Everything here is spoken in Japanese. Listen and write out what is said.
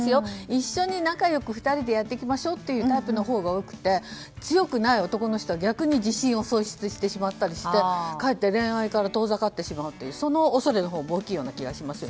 一緒に仲良く２人でやっていきましょうというタイプのほうがよくて強くない男の人は逆に自信を喪失してしまったりしてかえって恋愛から遠ざかってしまうという恐れのほうが大きいような気がします。